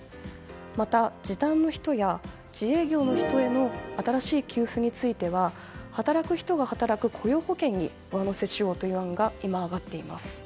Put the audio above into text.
また、時短の人や自営業の人への新しい給付については働く人が働く雇用保険に上乗せしようという案が今挙がっています。